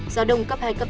gió đông cấp hai cấp ba